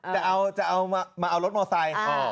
จะเอาสามารถมอทไซท์